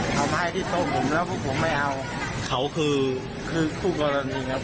มาให้ที่โต๊ะผมแล้วพวกผมไม่เอาเขาคือคือคู่กรณีครับ